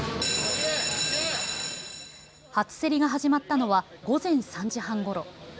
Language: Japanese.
初競りが始まったのは午前３時半ごろ。